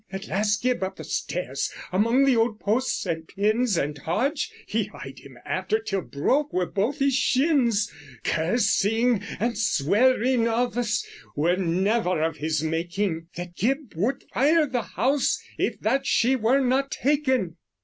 At last Gyb up the stayers, among the old postes and pinnes, And Hodge he hied him after till broke were both his shinnes, Cursynge and swering othes, were never of his makyng, That Gyb wold fyre the house if that shee were not taken.